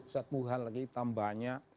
satu hal lagi tambahnya